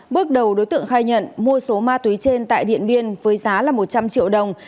bước đầu đối tượng khai nhận mua số ma túy trên tại điện biên với giá là một trăm linh triệu đồng